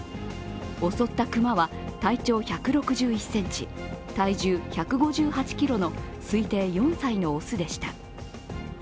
襲った熊は体長１６１ｃｍ体重１５８ｋｇの推定４歳の雄でした。